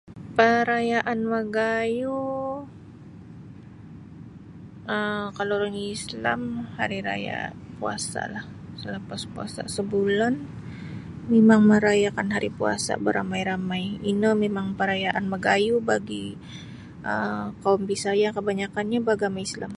Parayaan magayuh um kalau ulun Islam hari raya' puasa'lah salapas puasa' sebulan mimang marayakan hari puasa' baramai-ramai ino mimang parayaan magayuh bagi' um kaum Bisaya' kabanyakannyo beagama' Islam.